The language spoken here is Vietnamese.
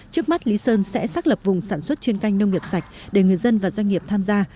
trước mắt lý sơn sẽ xác lập vùng sản xuất chuyên canh nông nghiệp sạch để người dân và doanh nghiệp tham gia